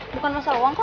bukan masalah uang kok